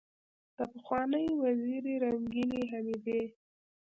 دپخوانۍ وزیرې رنګینې حمیدې